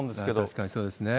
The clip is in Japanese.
確かにそうですね。